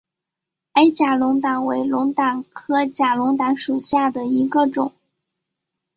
矮假龙胆为龙胆科假龙胆属下的一个种。